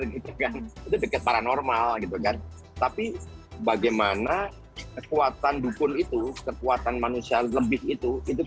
gitu kan itu dekat paranormal gitu kan tapi bagaimana kekuatan dukun itu kekuatan manusia lebih itu itu